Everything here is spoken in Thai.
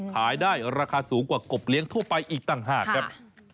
ขายได้ราคาสูงกว่ากบเลี้ยงทั่วไปอีกต่างหากครับ